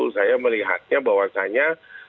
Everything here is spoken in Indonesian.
saya melihatnya bahwasannya